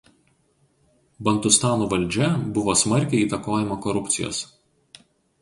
Bantustanų valdžia buvo smarkiai įtakojama korupcijos.